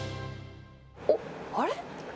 おっ、あれ？